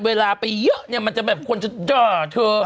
เวลาไปเยอะมันจะแบบควรจะเด้อเธอ